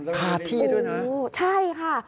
ฆาที่ด้วยนะโอ้โฮใช่ค่ะ